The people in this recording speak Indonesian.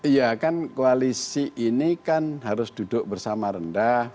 iya kan koalisi ini kan harus duduk bersama rendah